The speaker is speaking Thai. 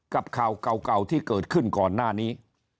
ข่าวเก่าที่เกิดขึ้นก่อนหน้านี้